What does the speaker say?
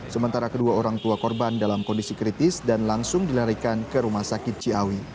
sementara kedua orang tua korban dalam kondisi kritis dan langsung dilarikan ke rumah sakit ciawi